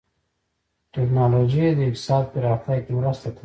ټکنالوجي د اقتصاد پراختیا کې مرسته کوي.